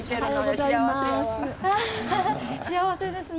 幸せですね。